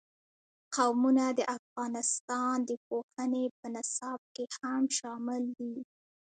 قومونه د افغانستان د پوهنې په نصاب کې هم شامل دي.